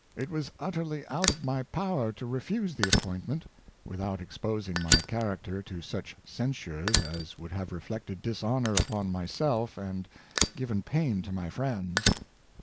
It was utterly out of my power to refuse the appointment, without exposing my character to such censures as would have reflected dishonor upon myself, and given pain to my friends.